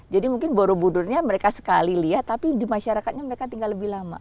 jadi mungkin borobudurnya mereka sekali lihat tapi di masyarakatnya mereka tinggal lebih lama